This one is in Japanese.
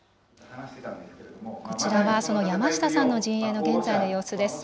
こちらはその山下さんの陣営の現在の様子です。